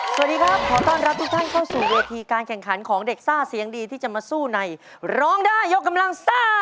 สวัสดีครับขอต้อนรับทุกท่านเข้าสู่เวทีการแข่งขันของเด็กซ่าเสียงดีที่จะมาสู้ในร้องได้ยกกำลังซ่า